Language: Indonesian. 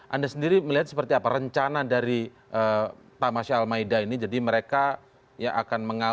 anda sendiri melihat seperti apa rencana dari tamasyah al maida ini jadi mereka akan mengawal di tps di tps yang ditutupi jadi apa yang akan dilakukan